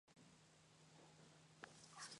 Resultan un cante genuino, agradable y pegadizo.